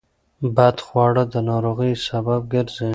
بدخواړه د ناروغیو سبب ګرځي.